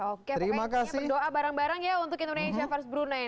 oke pokoknya berdoa bareng bareng ya untuk indonesia first brunei ya